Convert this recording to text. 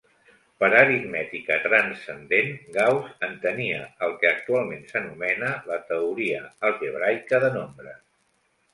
Per aritmètica transcendent Gauss entenia el que actualment s'anomena la teoria algebraica de nombres.